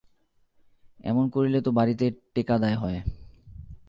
এমন করিলে তো বাড়িতে টেঁকা দায় হয়।